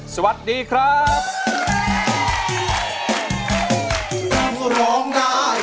สวัสดีครับ